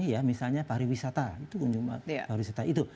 ya misalnya pariwisata itu